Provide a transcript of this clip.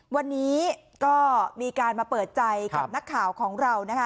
วันนี้ก็มีการมาเปิดใจกับนักข่าวของเรานะคะ